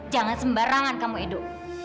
jangan sembarangan kamu edo